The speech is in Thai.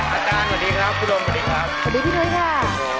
อาจารย์สวัสดีครับคุณลงสวัสดีครับ